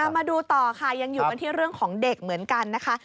มาดูต่อค่ะยังอยู่กันที่เรื่องของเด็กเหมือนกันนะคะ